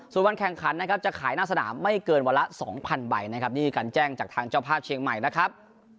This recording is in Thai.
ส่วนวันแข่งขันนะครับจะขายหน้าสนามไม่เกินวันละ๒๐๐ใบนะครับนี่การแจ้งจากทางเจ้าภาพเชียงใหม่นะครับ